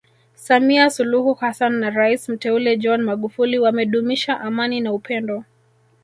Samia Suluhu Hassan na rais Mteule John Magufuli wamedumisha amani na upendo